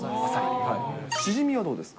シジミはどうですか？